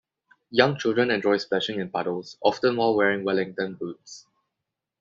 Young children enjoy splashing in puddles, often while wearing wellington boots.